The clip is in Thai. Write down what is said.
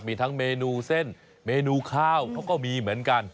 มีทั้งเมนูเส้นเมนูข้าวเขาก็มีเหมือนกัน